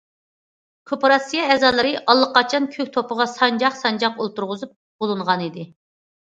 كوپىراتسىيە ئەزالىرى ئاللىقاچان كۆك توپىغا سانجاق- سانجاق ئولتۇرغۇزۇپ بولۇنغانىدى.